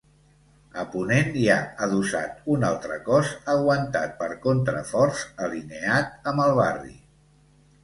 A ponent hi ha adossat un altre cos aguantat per contraforts, alineat amb el barri.